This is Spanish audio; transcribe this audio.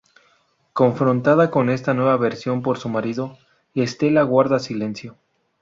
Confrontada con esta nueva versión por su marido, Stella guarda silencio.